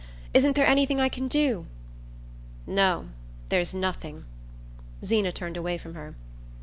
Isn't there anything I can do?" "No; there's nothing." Zeena turned away from her.